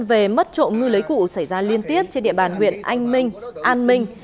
về mất trộm ngư lưới cụ xảy ra liên tiếp trên địa bàn huyện anh minh an minh